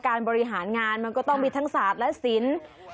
บริหารงานมันก็ต้องมีทั้งศาสตร์และศิลป์